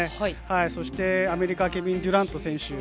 そしてアメリカはケビン・デュラント選手。